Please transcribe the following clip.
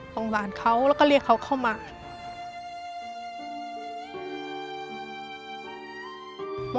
สงสารเขาแล้วก็เรียกเขาเข้ามา